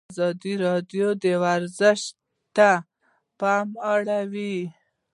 ازادي راډیو د ورزش ته پام اړولی.